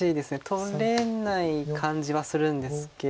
取れない感じはするんですけれども。